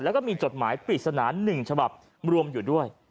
แล้วก็มีจดหมายปริศนา๑ฉบับรวมอยู่ด้วย